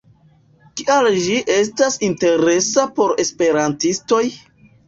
Kial ĝi estas interesa por esperantistoj?